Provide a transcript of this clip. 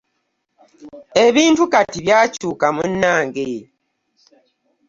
Ebintu kati byakyuka munnange.